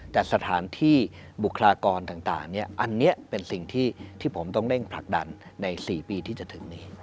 แต่สถานที่บุคลากรต่างอันนี้เป็นสิ่งที่ผมต้องเร่งผลักดันใน๔ปีที่จะถึงนี้